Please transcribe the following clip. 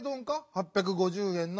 ８５０円の。